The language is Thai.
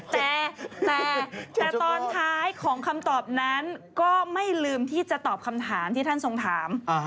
แต่แต่ตอนท้ายของคำตอบนั้นก็ไม่ลืมที่จะตอบคำถามที่ท่านทรงถาม